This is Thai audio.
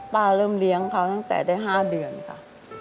เริ่มเลี้ยงเขาตั้งแต่ได้๕เดือนค่ะ